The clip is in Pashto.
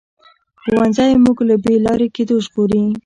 ښوونځی موږ له بې لارې کېدو ژغوري